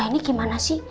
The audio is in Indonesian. lah ini gimana sih